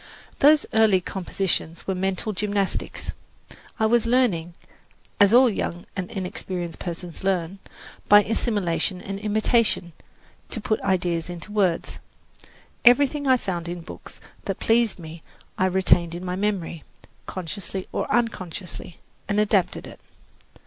Those early compositions were mental gymnastics. I was learning, as all young and inexperienced persons learn, by assimilation and imitation, to put ideas into words. Everything I found in books that pleased me I retained in my memory, consciously or unconsciously, and adapted it.